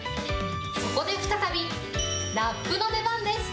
そこで再び、ラップの出番です。